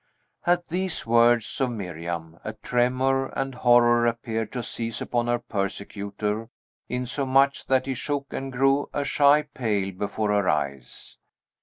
At these words of Miriam, a tremor and horror appeared to seize upon her persecutor, insomuch that he shook and grew ashy pale before her eyes.